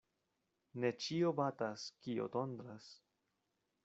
Ne ĉio batas, kio tondras.